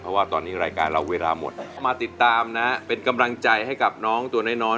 เพราะว่าตอนนี้รายการเราเวลาหมดมาติดตามนะเป็นกำลังใจให้กับน้องตัวน้อยน้อย